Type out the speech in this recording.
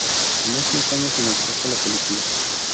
Tomó cinco años en hacerse la película.